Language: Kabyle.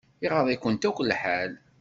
Iɣaḍ-ikunt akk lḥal.